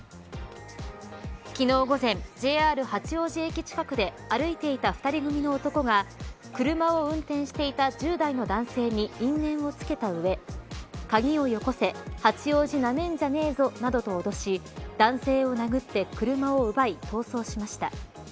昨日午前、ＪＲ八王子駅近くで歩いていた２人組の男が車を運転していた１０代の男性に因縁をつけた上鍵をよこせ八王子なめんじゃねえぞなどと脅し男性を殴って、車を奪い逃走しました。